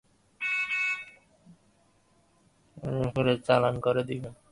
রজবপুরে চালান করে দেবেন।